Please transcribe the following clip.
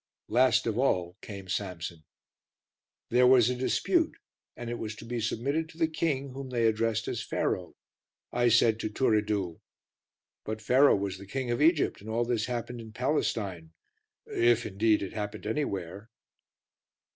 Last of all came Samson. There was a dispute and it was to be submitted to the king, whom they addressed as Pharaoh. I said to Turiddu "But Pharaoh was king of Egypt and all this happened in Palestine if, indeed, it happened anywhere."